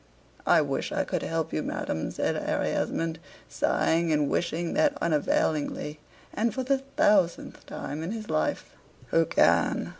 "I wish I could help you, madam," said Harry Esmond, sighing, and wishing that unavailingly, and for the thousandth time in his life. "Who can?